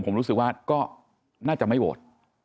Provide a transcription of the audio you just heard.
ผมรู้สึกว่าก็น่าจะไม่โหวต